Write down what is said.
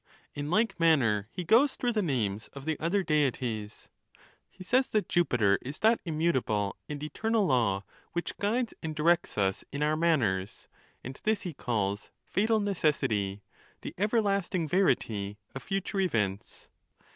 In like manner he goes through the names of the other Deities. He says that Jupiter is that immutable and eternal law which guides and directs us in our manners ; and this he calls fatal necessity, the everlasting verity of future events.